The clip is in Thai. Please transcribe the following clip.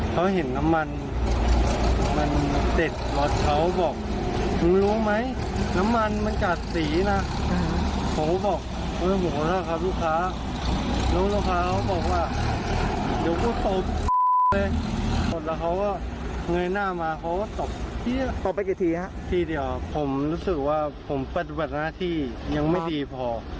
ผมรู้สึกว่าผมปฏิบัติหน้าที่ยังไม่ดีพอ